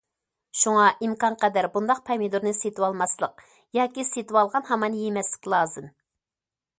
شۇڭا ئىمكانقەدەر بۇنداق پەمىدۇرنى سېتىۋالماسلىق ياكى سېتىۋالغان ھامان يېمەسلىك لازىم.